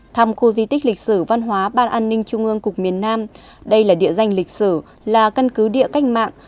thăm khu di tích lịch sử văn hóa ban an ninh trung ương cục miền nam đây là địa danh lịch sử là căn cứ địa cách mạng